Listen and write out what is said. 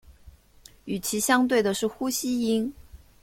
与其相对的是呼气音。